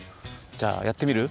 じゃあやってみる？